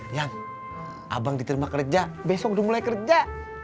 yang abang diterima kerja besok udah mulai kerja